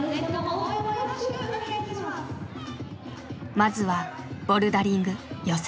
まずはボルダリング予選。